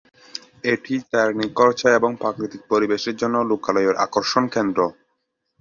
এটি তার নিখরচায় এবং প্রাকৃতিক পরিবেশের জন্য লোকালয়ের আকর্ষণ কেন্দ্র।